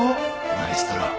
マエストロ。